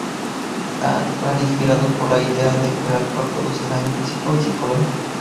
Estaban inspiradas por la idea de que el alcohol produce daño físico y psicológico.